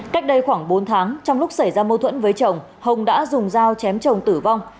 cách đây khoảng bốn tháng trong lúc xảy ra mâu thuẫn với chồng hồng đã dùng dao chém chồng tử vong